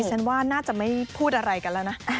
ฉันว่าน่าจะไม่พูดอะไรกันแล้วนะ